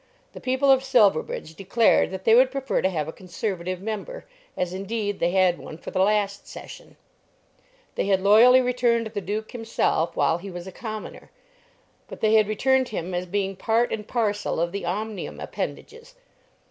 The people of Silverbridge declared that they would prefer to have a Conservative member, as indeed they had one for the last Session. They had loyally returned the Duke himself while he was a commoner, but they had returned him as being part and parcel of the Omnium appendages.